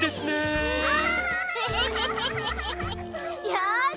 よし！